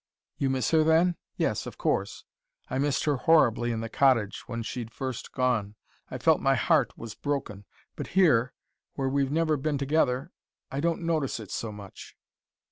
"You miss her then?" "Yes, of course. I missed her horribly in the cottage, when she'd first gone. I felt my heart was broken. But here, where we've never been together, I don't notice it so much."